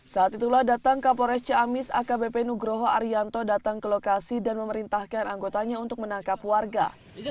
saat itulah datang kapolres ciamis akbp nugroho arianto datang ke lokasi dan memerintahkan anggotanya untuk menangkap warga